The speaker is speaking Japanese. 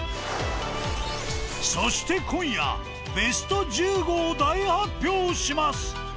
そして今夜ベスト１５を大発表します！